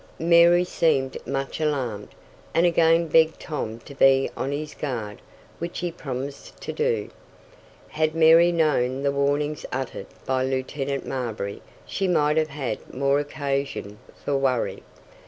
Mary seemed much alarmed, and again begged Tom to be on his guard, which he promised to do. Had Mary known the warnings uttered by Lieutenant Marbury she might have had more occasion for worry.